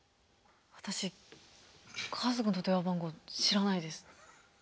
私家族の電話番号知らないです。